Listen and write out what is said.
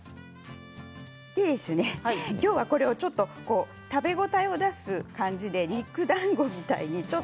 今日は、これをちょっと食べ応えを出す感じで肉だんごみたいに。